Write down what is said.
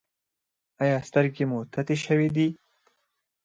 ایا سترګې مو تتې شوې دي؟